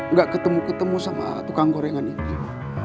nggak ketemu ketemu sama tukang gorengan itu